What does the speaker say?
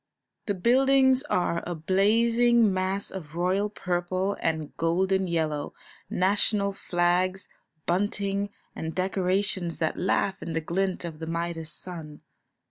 The buildings are a blazing mass of royal purple and golden yellow, national flags, bunting, and decorations that laugh in the glint of the Midas sun.